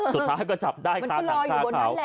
สุดท้ายก็จับได้มันก็รออยู่บนนั้นแหละ